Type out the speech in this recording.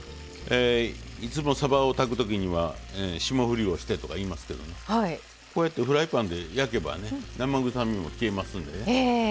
いつもさばを炊くときには霜降りをしてとかいいますけどこうやってフライパンで焼けば生臭みも消えますんでね。